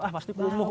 ah pasti kumuh